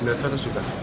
denda seratus juta